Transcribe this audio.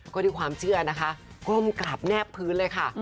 ก็ด้วยความเชื่อนะคะก้มกราบแนบพื้นเลยค่ะ